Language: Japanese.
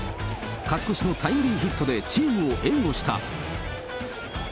勝ち越しのタイムリーヒットでチームを援護した。